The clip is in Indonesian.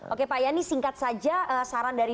oke pak yani singkat saja saran dari